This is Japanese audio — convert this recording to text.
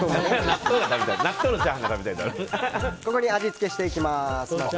ここに味付けしていきたい。